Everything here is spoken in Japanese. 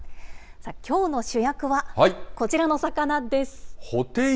さあ、きょうの主役は、こちらの魚です。